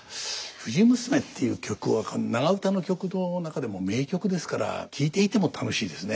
「藤娘」っていう曲は長唄の曲の中でも名曲ですから聴いていても楽しいですね。